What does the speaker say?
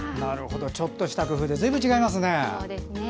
ちょっとした工夫でずいぶん違いますね。